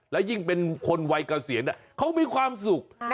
และยิ่งเป็นคนวัยเกษียณเขามีความสุข